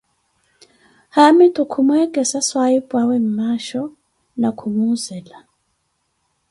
Haamitu kuh mwekesa swahipwaawe mmasho na khumuzela